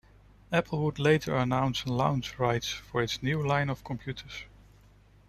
Apple would later announce launch rights for its new line of computers.